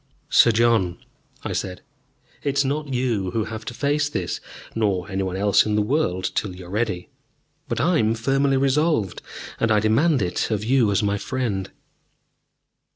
"Sir John," I said, "it is not you who have to face this, nor any one else in the world till you are ready. But I am firmly resolved, and I demand it of you as my friend."